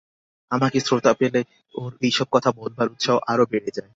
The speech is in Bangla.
আমাকে শ্রোতা পেলে ওর এই-সব কথা বলবার উৎসাহ আরো বেড়ে যায়।